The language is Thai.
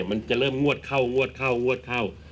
มันจะเริ่มงวดเข้างวดเข้างวดเข้า